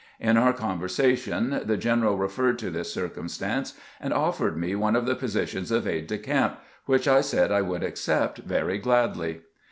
In our conversation the general re ferred to this circumstance, and offered me one of the positions of aide de camp, which I said I would accept very gladly.